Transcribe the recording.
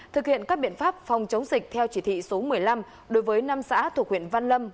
thực hiện các biện pháp phòng chống dịch theo chỉ thị số một mươi năm đối với năm xã thuộc huyện văn lâm